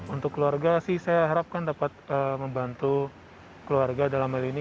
untuk keluarga sih saya harapkan dapat membantu keluarga dalam hal ini